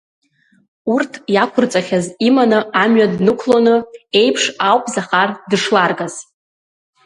Урҭ иақәырҵахьаз иманы амҩа днықәлоны, еиԥш ауп Захар дышларгаз.